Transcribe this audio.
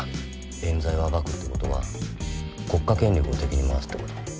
えん罪を暴くってことは国家権力を敵に回すってこと。